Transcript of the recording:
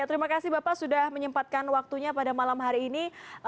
terima kasih bapak sudah menyempatkan waktunya pada malam hari ini